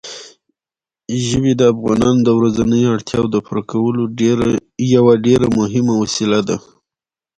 ژبې د افغانانو د ورځنیو اړتیاوو د پوره کولو یوه ډېره مهمه وسیله ده.